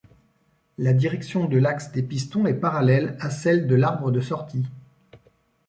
La direction de l'axe des pistons est parallèle à celle de l'arbre de sortie.